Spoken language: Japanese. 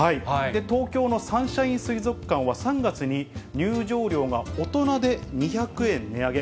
東京のサンシャイン水族館は３月に入場料が大人で２００円値上げ。